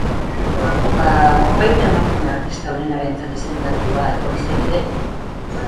Bada, baita emakume artista onenarentzat izendatua egon zen ere.